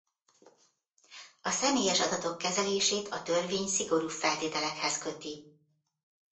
A személyes adatok kezelését a törvény szigorú feltételekhez köti.